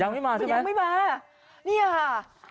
ยังไม่มาไม่อยากไปมายังไม่มา